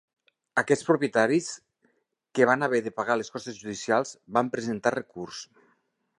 Aquests propietaris, que van haver de pagar les costes judicials, van presentar recurs.